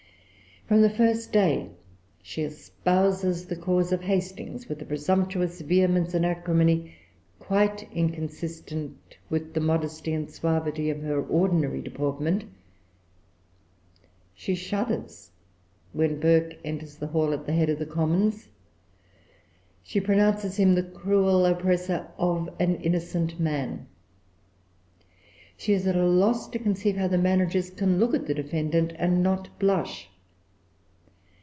From the first day she espouses the cause of Hastings with a presumptuous vehemence and acrimony quite inconsistent with the modesty and suavity of her ordinary deportment. She shudders when Burke enters the hall at the head of the Commons. She pronounces him the cruel oppressor of an innocent man. She is at a loss to conceive how the managers can look at the defendant, and not blush.